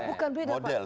model saya kira itu model